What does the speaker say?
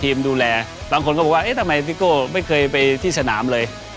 ดูแลบางคนก็บอกว่าเอ๊ะทำไมพี่โก้ไม่เคยไปที่สนามเลย